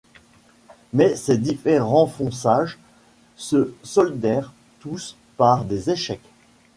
Mais ces différents fonçages se soldèrent tous par des échecs.